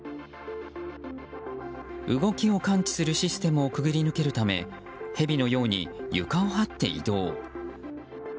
動きを感知するシステムを潜り抜けるためヘビのように床をはって移動。